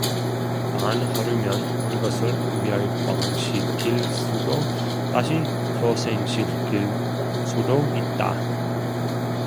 단 하루면 모든 것을 멸망시킬 수도 다시 소생시킬 수도 있다.